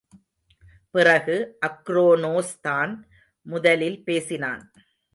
பிறகு, அக்ரோனோஸ்தான் முதலில் பேசினான்.